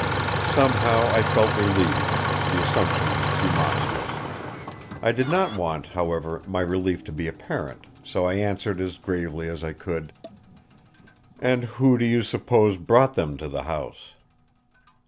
Somehow I felt relieved; the assumption was too monstrous. I did not want, however, my relief to be apparent, so I answered as gravely as I could: "And who do you suppose brought them to the house?"